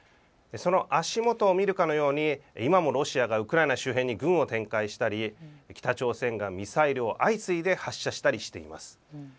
その足元を見るかのように今もロシアがウクライナ周辺に軍を展開したり、北朝鮮がミサイルを相次いで発射したりしています。